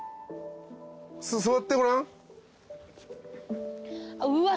座ってごらん。